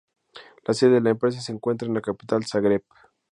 La sede de la empresa se encuentra en la capital, Zagreb.